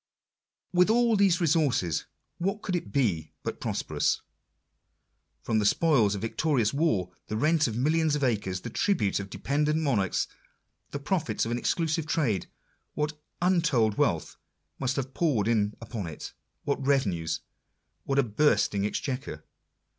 With all these resources, what could it be but prosperous ? From the spoils of victorious war, the rent of millions of acres, the tribute of dependent monarchs, the profits of an exclusive trade, what untold wealth must have poured in upon it ! what revenues ! what a bursting exchequer